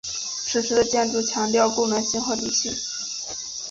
此时的建筑强调功能性和理性。